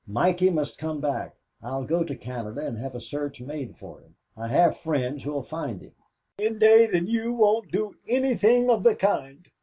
Mikey must come back. I'll go to Canada and have a search made for him. I have friends who'll find him." "Indade and you won't do anything of the kind.